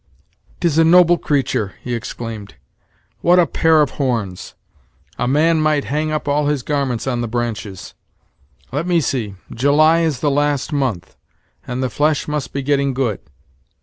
"'Tis a noble creatur'!" he exclaimed; "what a pair of horns! a man might hang up all his garments on the branches. Let me see July is the last month, and the flesh must be getting good."